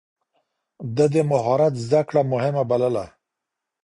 ده د مهارت زده کړه مهمه بلله.